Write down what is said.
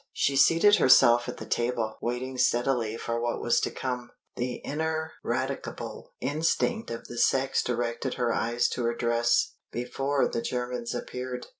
She seated herself at the table, waiting steadily for what was to come. The ineradicable instinct of the sex directed her eyes to her dress, before the Germans appeared.